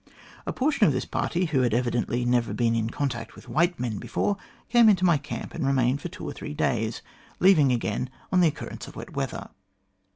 A portion of this party, who had evidently never been in contact with white men before, came into my camp, and remained for two or three days, leaving again on the occurrence of wet weather."